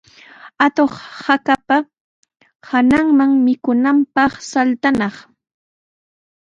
Atuq hakapa hananman mikunanpaq saltanaq.